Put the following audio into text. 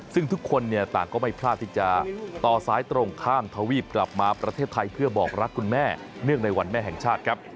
ซึ่งทุกคนเนี่ยต่างก็ไม่พลาดที่จะต่อสายตรงข้ามทวีปกลับมาประเทศไทยเพื่อบอกรักคุณแม่เนื่องในวันแม่แห่งชาติครับ